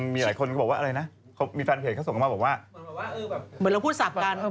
มีหลายคนก็บอกว่าอะไรนะเขามีแฟนเพจเขาส่งมาบอกว่าเหมือนเราพูดสับกัน